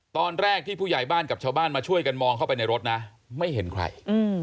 ตอนแรกที่ผู้ใหญ่บ้านกับชาวบ้านมาช่วยกันมองเข้าไปในรถนะไม่เห็นใคร